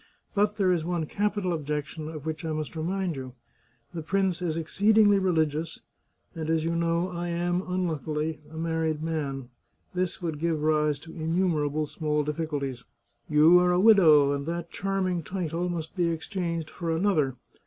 But there is one capital objection of which I must remind you. The prince is exceedingly religious, and, as you know, I am, unluckily, a married man. This would give rise to innumerable small difficulties. You are a widow, and that charming title must no The Chartreuse of Parma be exchanged for another.